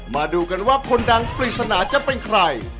มาดูกันว่าคนดังปริศนาจะเป็นใคร